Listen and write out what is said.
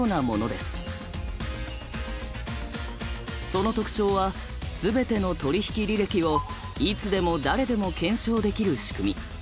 その特徴は全ての取引履歴をいつでも誰でも検証できる仕組み。